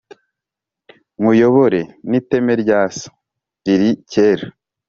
nkuyobore n'iteme rya so riri kera,